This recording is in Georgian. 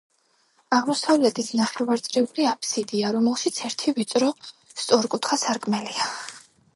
აღმოსავლეთით ნახევარწრიული აფსიდია, რომელშიც ერთი ვიწრო სწორკუთხა სარკმელია.